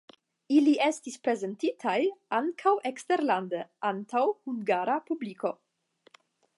Ili estis prezentitaj ankaŭ eksterlande antaŭ hungara publiko.